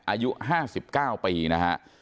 อายุ๕๙ปีนะฮะ